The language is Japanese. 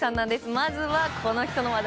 まずは、この人の話題。